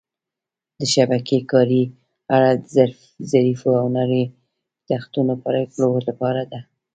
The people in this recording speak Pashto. د شبکې کارۍ اره د ظریفو او نریو تختو پرېکولو لپاره ده.